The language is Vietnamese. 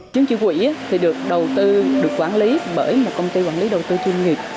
chiến trị quỹ được quản lý bởi một công ty quản lý đầu tư chuyên nghiệp